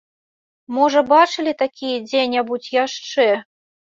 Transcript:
Можа, бачылі такія дзе-небудзь яшчэ?